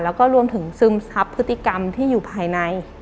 แล้วก็รวมถึงซึมซับพฤติกรรมที่อยู่ภายใน